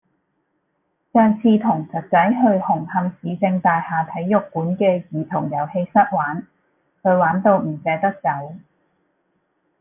上次同侄仔去紅磡市政大廈體育館嘅兒童遊戲室玩，佢玩到唔捨得走。